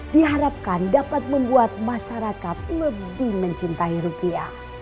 diharapkan dapat membuat masyarakat lebih mencintai rupiah